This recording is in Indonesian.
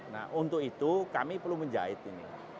nah untuk itu kami perlu menjahit ini